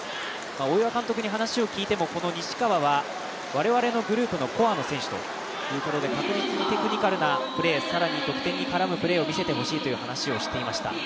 大岩監督に話を聞いても、西川は我々のグループのコアの選手ということで、確実にテクニカルなプレー、更に得点に絡むプレーを見せてほしいという話をしていました。